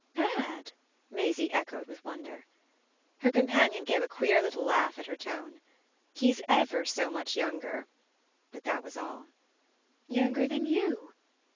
"Bad ?" Maisie echoed with wonder. Her companion gave a queer little laugh at her tone. "He's ever so much younger " But that was all. "Younger than you?"